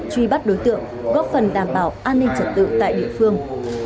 truy bắt đối tượng góp phần đảm bảo an ninh trật tự tại địa phương